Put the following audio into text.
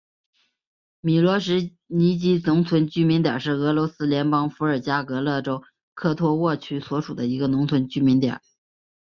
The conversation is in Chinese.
米罗什尼基农村居民点是俄罗斯联邦伏尔加格勒州科托沃区所属的一个农村居民点。